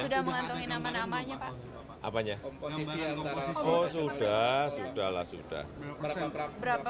menteri menteri yang sekarang ada yang bertahan juga enggak pak